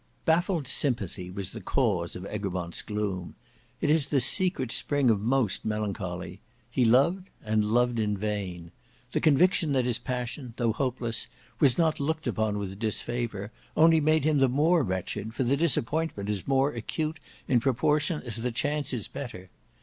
Baffled sympathy was the cause of Egremont's gloom. It is the secret spring of most melancholy. He loved and loved in vain. The conviction that his passion, though hopeless, was not looked upon with disfavour, only made him the more wretched, for the disappointment is more acute in proportion as the chance is better.